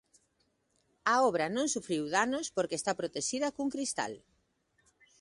A obra non sufriu danos porque está protexida cun cristal.